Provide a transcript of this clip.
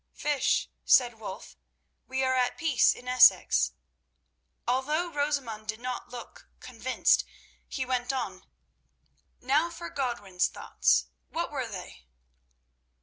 "Fish," said Wulf; "we are at peace in Essex." Although Rosamund did not look convinced, he went on: "Now for Godwin's thoughts— what were they?"